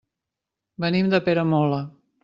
Venim de Peramola.